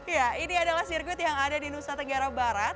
ya ini adalah sirkuit yang ada di nusa tenggara barat